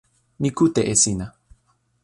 mi kute e sina.